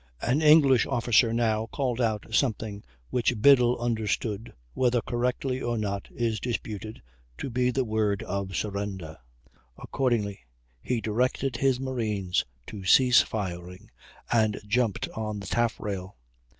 An English officer now called out something which Biddle understood, whether correctly or not is disputed, to be the word of surrender; accordingly he directed his marines to cease firing, and jumped on the taffrail.